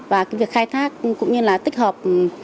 và cái việc khai thác cũng như là tích hợp